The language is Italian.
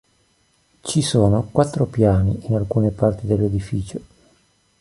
Ci sono quattro piani in alcune parti dell'edificio.